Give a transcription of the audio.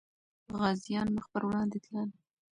غازيان مخ پر وړاندې تلل.